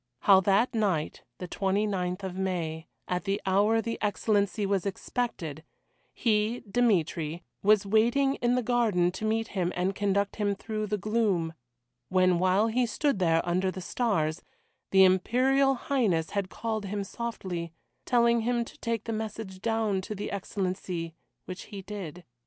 How that night, the 29th of May, at the hour the Excellency was expected, he Dmitry was waiting in the garden to meet him and conduct him through the gloom, when, while he stood there under the stars, the Imperial Highness had called him softly, telling him to take the message down to the Excellency, which he did.